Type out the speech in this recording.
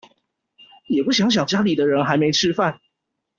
也不想想家裡的人還沒吃飯